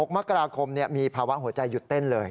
๖มกราคมมีภาวะหัวใจหยุดเต้นเลย